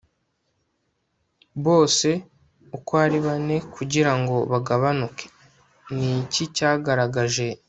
Bose uko ari bane kugirango bagabanuke Ni iki cyagaragaje